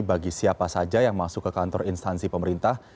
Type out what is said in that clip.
bagi siapa saja yang masuk ke kantor instansi pemerintah